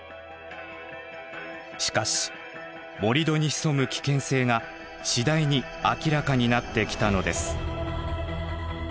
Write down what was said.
しかし盛り土に潜む危険性が次第に明らかになってきたのです。